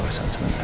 mulai di utamanya